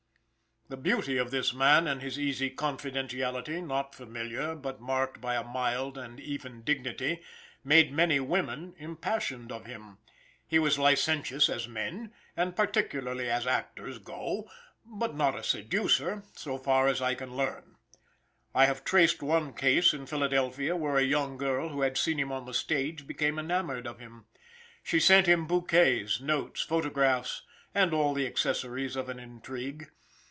The beauty of this man and his easy confidentiality, not familiar, but marked by a mild and even dignity, made many women impassioned of him. He was licentious as men, and particularly as actors go, but not a seducer, so far as I can learn. I have traced one case in Philadelphia where a young girl who had seen him on the stage became enamored of him. She sent him bouquets, notes, photographs and all the accessories of an intrigue.